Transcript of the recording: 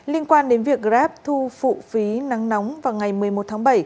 liên quan đến việc grab thu phụ phí nắng nóng vào ngày một mươi một tháng bảy